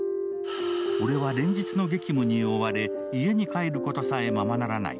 俺は連日の激務に追われ、家に帰ることもままならない。